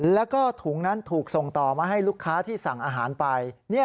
แล้วก็ถุงนั้นถูกส่งต่อมาให้ลูกค้าที่สั่งอาหารไป